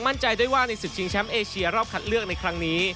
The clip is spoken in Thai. มั่นใจได้ว่าในศึกชิงแชมป์เอเชียรอบคัดเลือกในครั้งนี้